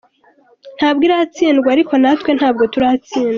Ntabwo iratsindwa ariko natwe ntabwo turatsindwa.